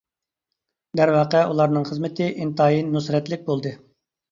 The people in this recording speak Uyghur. دەرۋەقە، ئۇلارنىڭ خىزمىتى ئىنتايىن نۇسرەتلىك بولدى.